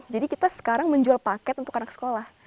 jadi kita sekarang menjual paket untuk anak sekolah